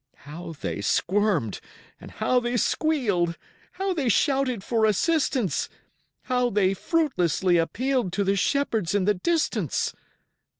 How they squirmed and how they squealed! How they shouted for assistance! How they fruitlessly appealed To the shepherds in the distance!